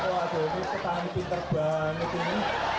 waduh ini petani pinter banget ini